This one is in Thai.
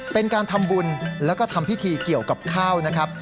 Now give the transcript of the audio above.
เป็นการทำบุญแล้วก็ทำพิธีเกี่ยวกับข้าวนะครับ